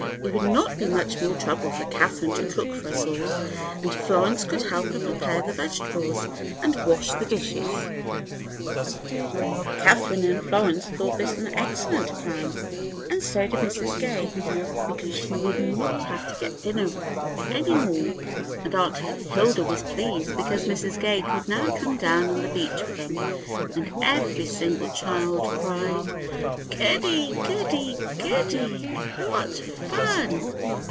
It would not be much more trouble for Catherine to cook for us all, and Florence eould help her prepare the vegetables and wash the dishes." Catherine and Florence thought this an excellent plan, and so did Mrs. Gay, because she would not THE LITTLE GAYS 81 have to get dinner any more; and Aunt Hilda was pleased, because Mrs. Gay could now come down on the beach with them; and every single child cried, "Goody, goody goody, what fun!"